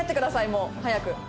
もう早く。